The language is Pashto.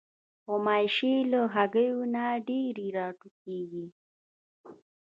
غوماشې له هګیو نه ډېرې راټوکېږي.